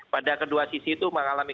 pada kedua sisi itu mengalami